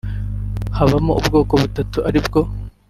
habamo ubwoko butatu ari bwo